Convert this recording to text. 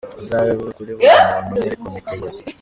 Bizabe kuri buri muntu uri muri komite nyobozi.